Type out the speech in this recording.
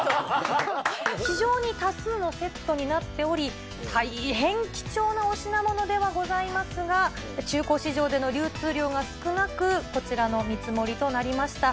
非常に多数のセットになっており、大変貴重なお品物ではございますが、中古市場での流通量が少なく、こちらの見積もりとなりました。